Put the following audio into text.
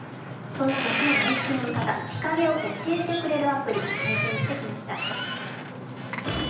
そんな夏の外出の味方、日陰を教えてくれるアプリ、体験してきました。